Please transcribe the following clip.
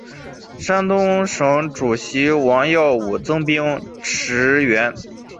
山东省主席王耀武增兵驰援。